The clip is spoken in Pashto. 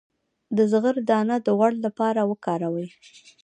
د زغر دانه د غوړ لپاره وکاروئ